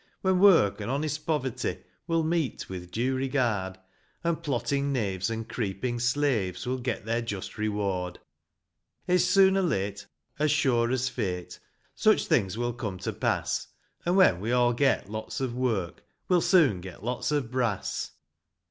When work and honest poverty Will meet with due regard ; And plotting knaves and creeping slaves Will get their just reward. It's soon or late, as sure as fate, Such things will come to pass ; And when we all get lots of work, We'll soon get lots of brass.